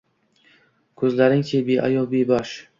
Ko’zlaring-chi, beayov — bebosh.